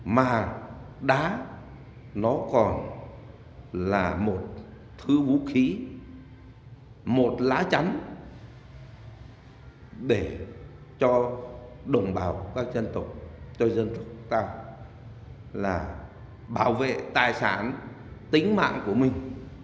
mà đá nó còn là một thứ vũ khí một lá chắn để cho đồng bào các dân tộc cho dân tộc ta là bảo vệ tài sản tính mạng của mình